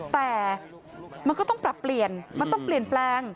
แต่มันก็ต้องปรับเปลี่ยนมันต้องเปลี่ยนแปลง